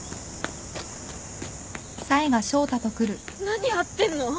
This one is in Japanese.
・何やってんの？